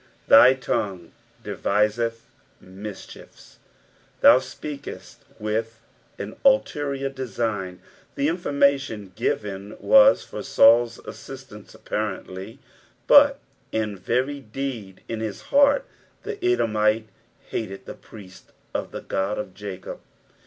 ITiy tongus deviseth mitehie/i." Thou speokcst with an ulterior design. The informalion given was for Saul's assistance apparently, but in very deed in his heart the Edomite hated the priests of the Ood of Jacob.